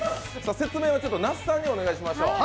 説明は、那須さんにお願いしましょう。